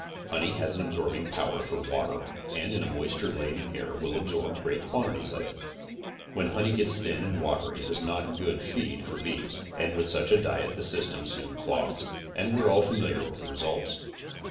Honey has an absorbing power for water and in a moisture laden air will absorb great quantities of it. When honey gets thin and watery it is not good feed for bees, and with such a diet the system soon clogs, and we are all familiar with the results.